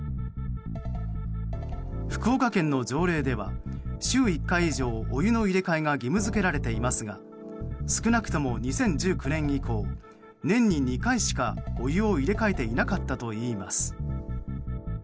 福岡県の条例では、週１回以上お湯の入れ替えが義務付けられていますが少なくとも２０１９年以降年に２回しかお湯を入れ替えていなかったといいます。